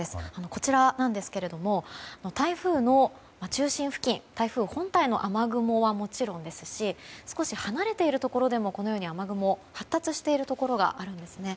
こちらなんですが台風の中心付近台風本体の雨雲はもちろんですし少し離れているところでも雨雲が発達しているところがあるんですね。